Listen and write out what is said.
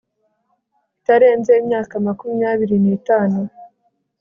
itarenze imyaka makumyabiri n itanu